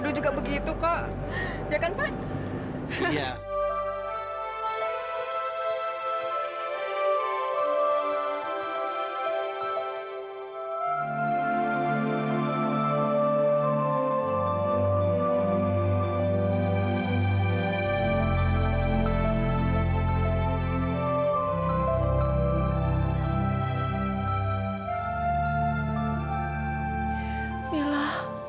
mungkin itu kamila